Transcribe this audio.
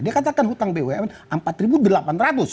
dia katakan hutang bumn rp empat delapan ratus